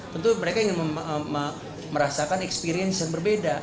tentu mereka ingin merasakan experience yang berbeda